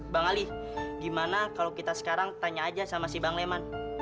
bang ali gimana kalau kita sekarang tanya aja sama si bang leman